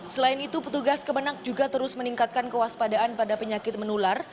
selain itu petugas kemenang juga terus meningkatkan kewaspadaan pada penyakit menular